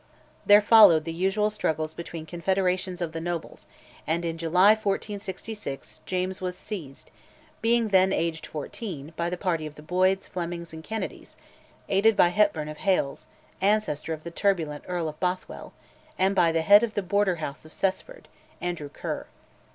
There followed the usual struggles between confederations of the nobles, and, in July 1466, James was seized, being then aged fourteen, by the party of the Boyds, Flemings, and Kennedys, aided by Hepburn of Hailes (ancestor of the turbulent Earl of Bothwell), and by the head of the Border House of Cessford, Andrew Ker.